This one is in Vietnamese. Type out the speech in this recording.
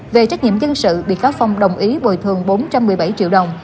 về trách nhiệm dân sự bị cáo phong đồng ý bồi thường bốn trăm một mươi bảy triệu đồng